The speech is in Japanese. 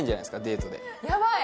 デートでヤバい！